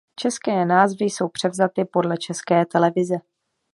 České názvy jsou převzaty podle České televize.